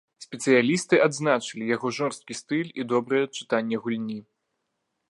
Спецыялісты адзначалі яго жорсткі стыль і добрае чытанне гульні.